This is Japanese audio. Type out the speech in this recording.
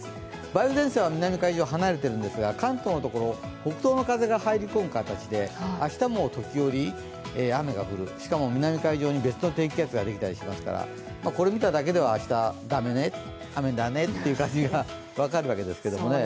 梅雨前線は南海上離れてるんですが関東のところ、北東の風が入り込む形で明日も時折、雨が降る、しかも南海上に別の低気圧ができたりしますからこれ見ただけでは明日、雨だねという感じが分かるわけですけどもね。